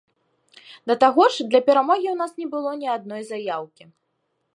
Да таго ж, для перамогі у нас не было ні адной заяўкі.